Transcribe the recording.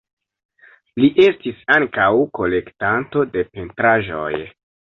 Li estis ankaŭ kolektanto de pentraĵoj.